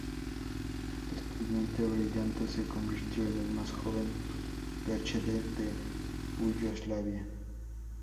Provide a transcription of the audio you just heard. Estudiante brillante, se convirtió en el más joven PhD de Yugoslavia.